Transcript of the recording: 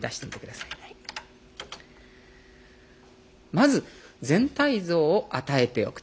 まず全体像を与えておく。